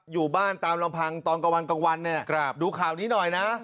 อยู่บ้านตามลำพังตอนกลางวันกลางวันเนี่ยดูข่าวนี้หน่อยนะ